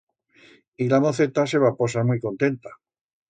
Y la moceta se va posar muit contenta.